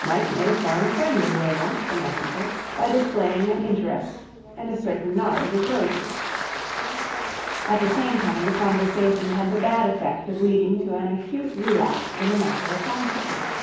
Mike made a firm friend of William, the messenger, by displaying an interest and a certain knowledge of roses. At the same time the conversation had the bad effect of leading to an acute relapse in the matter of homesickness.